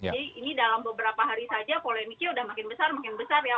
jadi ini dalam beberapa hari saja polemiknya udah makin besar makin besar ya